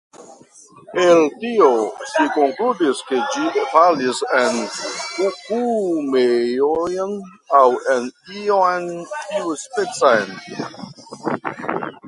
El tio ŝi konkludis ke ĝi falis en kukumejon, aŭ en ion tiuspecan.